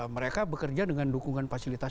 mereka bekerja dengan dukungan fasilitas